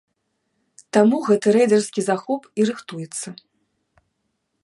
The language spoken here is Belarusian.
Таму гэты рэйдарскі захоп і рыхтуецца!